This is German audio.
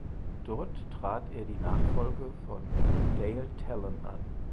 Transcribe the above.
Dort trat er die Nachfolge von Dale Tallon an.